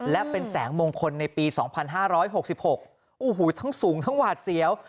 และเป็นแสงมงคลในปี๒๕๖๖โอ้โหทั้งสูงทั้งหวาดเสียว